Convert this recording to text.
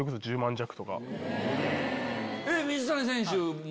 水谷選手も。